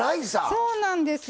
そうなんです。